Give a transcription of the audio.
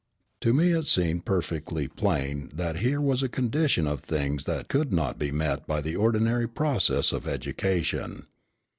To me it seemed perfectly plain that here was a condition of things that could not be met by the ordinary process of education.